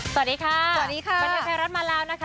สวัสดีค่ะสวัสดีค่ะวันนี้แพรรัสมาแล้วนะคะ